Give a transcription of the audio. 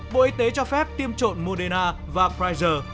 bộ y tế cho phép tiêm trộn moderna và pfizer